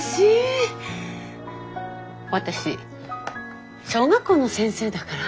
私小学校の先生だから。